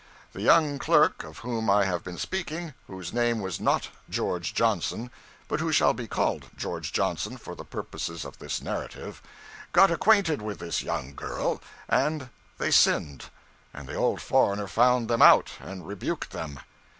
The young clerk of whom I have been speaking whose name was not George Johnson, but who shall be called George Johnson for the purposes of this narrative got acquainted with this young girl, and they sinned; and the old foreigner found them out, and rebuked them.